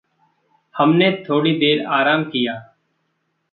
हमने थोड़ी देर आराम किया।